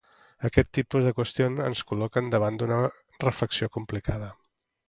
Aquest tipus de qüestions ens col·loquen davant d'una reflexió complicada